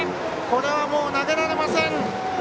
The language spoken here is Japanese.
これはもう投げられません。